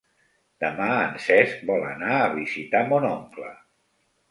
Demà en Cesc vol anar a visitar mon oncle.